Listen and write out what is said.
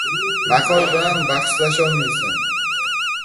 • Maqol bilan bahslasholmaysan.